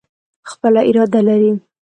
خپله اراده لري.